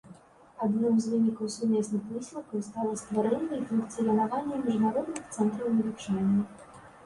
Адным з вынікаў сумесных высілкаў стала стварэнне і функцыянаванне міжнародных цэнтраў навучання.